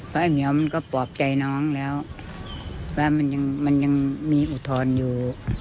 เพราะไอ้เหมียวมันก็ปลอบใจน้องแล้วว่ามันยังมีอุทธรณ์อยู่